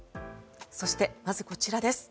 そして、まずこちらです。